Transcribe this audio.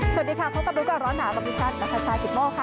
สวัสดีค่ะพบกันด้วยกับร้อนหนาประวัติชาตินักภัยชายถิ่นโม่ค่ะ